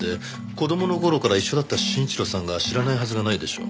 子供の頃から一緒だった真一郎さんが知らないはずがないでしょう。